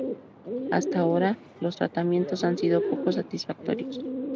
Hasta ahora, los tratamientos han sido poco satisfactorios.